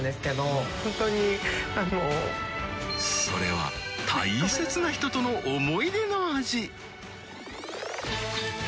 それは大切な人との思い出の味